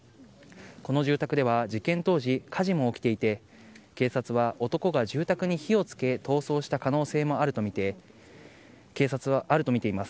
この住宅では事件当時、火事も起きていて、警察は男が住宅に火をつけ、逃走した可能性もあると見て、警察はあると見ています。